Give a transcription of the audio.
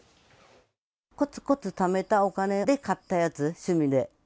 こつこつためたお金で買ったやつ、趣味で。